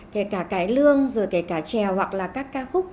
kể cả cái lương rồi kể cả trèo hoặc là các ca khúc